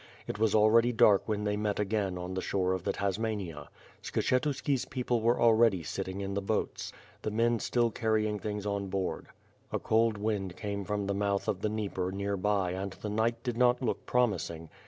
It was already dark when they met again on the shore of the Tasmania. Skshetuski's people were already sitting in the boats. The men still carry ing things on board. A cold wind came from the mouth of the Dnieper near by and the night did not look promising.